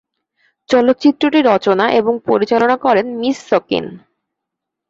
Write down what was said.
চলচ্চিত্র টি রচনা এবং পরিচালনা করেন মিসসকিন।